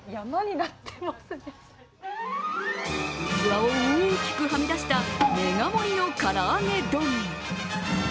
器を大きくはみ出したメガ盛りの唐揚げ丼。